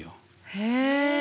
へえ。